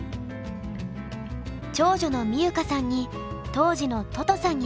長女のみゆかさんに当時のととさんについて聞きました。